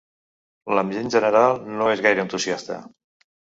L'ambient general no és gaire entusiasta.